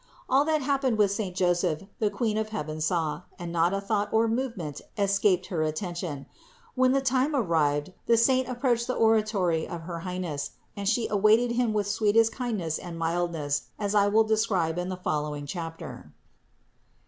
All that happened with saint Joseph the Queen of heaven saw, and not a thought or movement escaped her attention. When the time arrived, the saint approached the oratory of her High ness, and She awaited him with sweetest kindness and mildness, as I will describe in the following chapter.